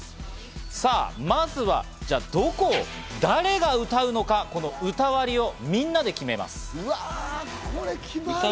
さぁまずは、じゃあどこを誰が歌うのか、歌割りをみんなで決めます。